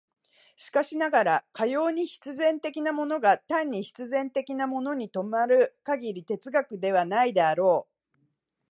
しかしながら、かように必然的なものが単に必然的なものに止まる限り哲学はないであろう。